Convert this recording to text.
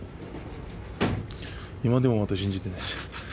今でもまだ信じてないです。